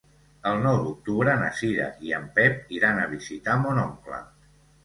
El nou d'octubre na Cira i en Pep iran a visitar mon oncle.